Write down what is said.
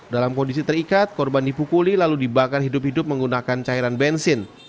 dalam kondisi terikat korban dipukuli lalu dibakar hidup hidup menggunakan cairan bensin